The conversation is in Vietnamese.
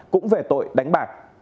cũng về tội đánh bạc